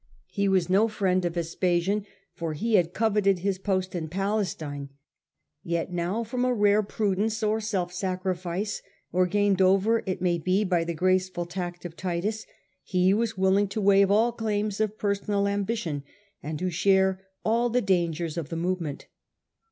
He was no friend to Vespasian, for he had coveted his post in Palestine; yet now, from a rare prudence or self sacrifice, or gained over, it may be, by the graceful tact of Titus, he was willing to waive all claims of personal ambition and to share all the dangers of the movement.